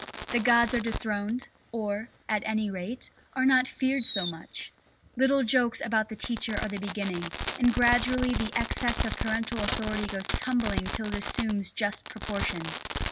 The gods are dethroned, or, at any rate, are not feared so much; little jokes about the teacher are the beginning, and gradually the excess of parental authority goes tumbling till it assumes just proportions.